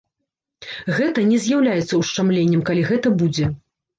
Гэта не з'яўляецца ушчамленнем, калі гэта будзе.